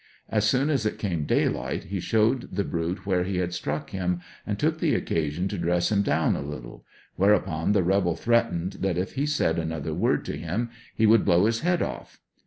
As soon as it came daylight he showed the brute where he had struck him, and took the occasion to dress him down a little, whereupon the rebel threatened that if he said another word to him he would blow his head off.